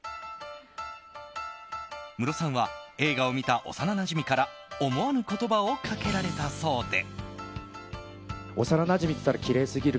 ムロさんは映画を見た幼なじみから思わぬ言葉をかけられたそうで。